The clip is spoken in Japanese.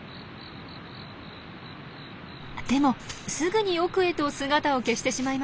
でもすぐに奥へと姿を消してしまいました。